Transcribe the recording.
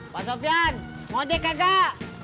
pak sofian mau dek kegak